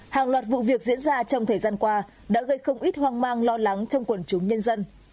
hàng loạt vụ việc diễn ra trong thời gian qua đã gây không ít hoang mang lo lắng trong quần chúng nhân dân